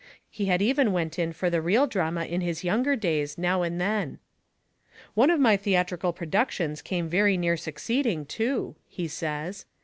He had even went in for the real drama in his younger days now and then. "One of my theatrical productions came very near succeeding, too," he says.